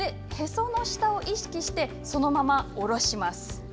その下を意識して、そのままおろします。